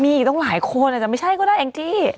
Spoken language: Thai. มีอีกต้องหลายคนแต่ไม่ใช่ก็ได้อังกฤษ